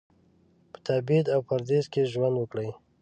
په تبعید او پردیس کې ژوند وکړي.